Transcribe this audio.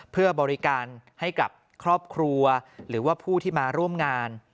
เพื่อบริการให้กับครอบครัวหรือว่าผู้ที่มาร่วมงาน